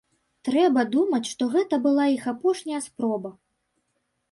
Трэба думаць, што гэта была іх апошняя спроба.